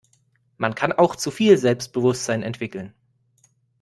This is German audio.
Man kann auch zu viel Selbstbewusstsein entwickeln.